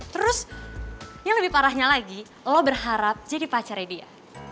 terus yang lebih parahnya lagi lo berharap jadi pacarnya dia